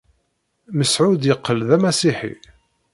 Mesεud yeqqel d amasiḥi.